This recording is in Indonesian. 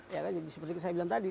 ya kan jadi seperti saya bilang tadi